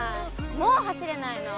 もう走れないの？